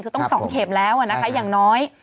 คือต้องสองเข็มแล้วอย่างน้อย